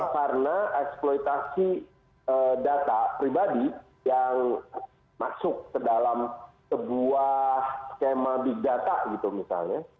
karena eksploitasi data pribadi yang masuk ke dalam sebuah skema big data gitu misalnya